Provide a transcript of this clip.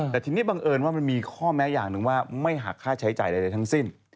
แต่ทีนี้บังเอิญว่ามันมีข้อแม้อย่างหนึ่งว่าไม่หักค่าใช้จ่ายใดทั้งสิ้น